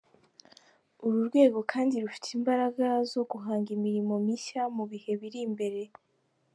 Uru rwego kandi rufite imbaraga zo guhanga imirimo mishya mu bihe biri imbere.